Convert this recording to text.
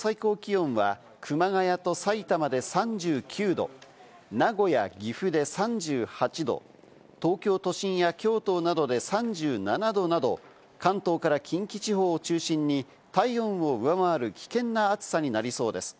最高気温は熊谷とさいたまで３９度、名古屋と岐阜で３８度、東京都心や京都などで３７度など、関東から近畿地方を中心に体温を上回る危険な暑さになりそうです。